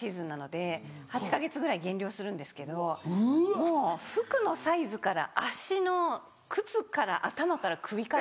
もう服のサイズから足の靴から頭から首から。